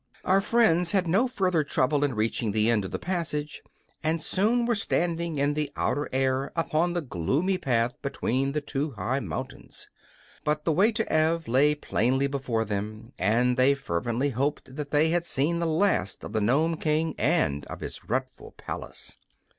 Our friends had no further trouble in reaching the end of the passage, and soon were standing in the outer air upon the gloomy path between the two high mountains. But the way to Ev lay plainly before them, and they fervently hoped that they had seen the last of the Nome King and of his dreadful palace.